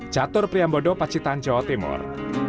catur priambodo pacitan jawa timur